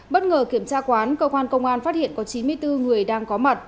bất ngờ kiểm tra quán cơ quan công an phát hiện có chín mươi bốn người đang có mặt